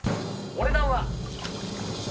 お値段は。